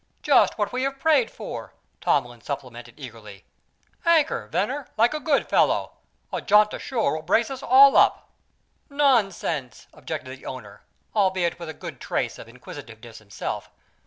"Just what we have prayed for!" Tomlin supplemented eagerly. "Anchor, Venner, like a good fellow. A jaunt ashore will brace us all up." "Nonsense!" objected the owner, albeit with a good trace of inquisitiveness himself.